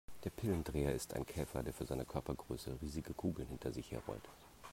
Der Pillendreher ist ein Käfer, der für seine Körpergröße riesige Kugeln hinter sich her rollt.